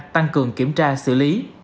tăng cường kiểm tra xử lý